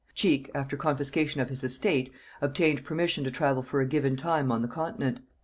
Cheke, after confiscation of his estate, obtained permission to travel for a given time on the continent.